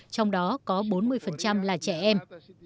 trong đó có bốn mươi là trẻ em